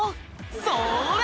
「それ！